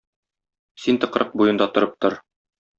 Син тыкрык буенда торып тор.